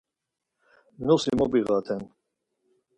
Nosi mobiğaten.